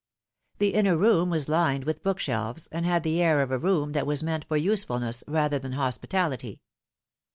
The inner room was lined with bookshelves, and had the air of a room that was meant for usefulness rather than hospitality.